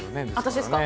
私ですか？